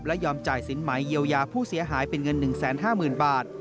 และยอมจ่ายสินไหมเยียวยาผู้เสียหายเป็นเงิน๑๕๐๐๐บาท